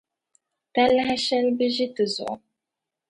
Talahi shɛli bi ʒi ti zuɣu.